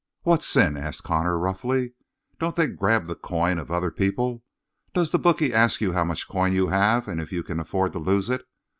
"What sin?" asked Connor roughly. "Don't they grab the coin of other people? Does the bookie ask you how much coin you have and if you can afford to lose it?